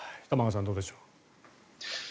玉川さん、どうでしょう。